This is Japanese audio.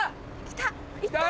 来た！